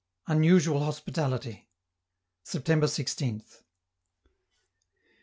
UNUSUAL HOSPITALITY September 16th.